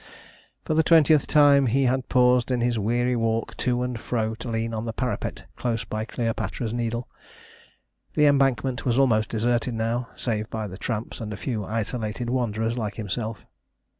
For the twentieth time he had paused in his weary walk to and fro to lean on the parapet close by Cleopatra's Needle. The Embankment was almost deserted now, save by the tramps and a few isolated wanderers like himself.